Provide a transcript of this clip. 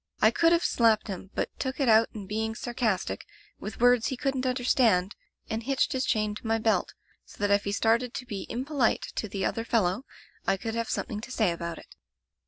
I could have slapped him, but took it out in being sarcastic, with words he couldn't under stand, and hitched his chain to my belt, so that if he started to be impolite to the other fellow, I could have something to say about it.